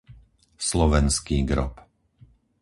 Slovenský Grob